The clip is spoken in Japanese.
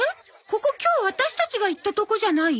ここ今日ワタシたちが行ったとこじゃない？